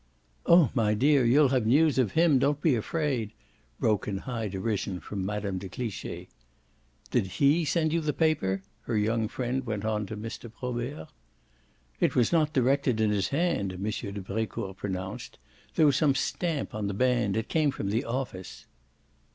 "Oh my dear, you'll have news of him. Don't be afraid!" broke in high derision from Mme. de Cliche. "Did HE send you the paper?" her young friend went on to Mr. Probert. "It was not directed in his hand," M. de Brecourt pronounced. "There was some stamp on the band it came from the office."